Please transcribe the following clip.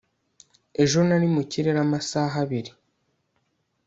ejo nari mu kirere amasaha abiri